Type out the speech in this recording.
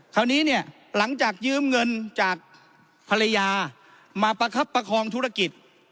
คราวนี้เนี่ยหลังจากยืมเงินจากภรรยามาประคับประคองธุรกิจ